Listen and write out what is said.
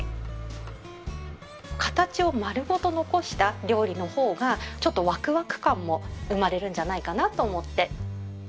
形を丸ごと残した料理の方がちょっとワクワク感も生まれるんじゃないかなと思って。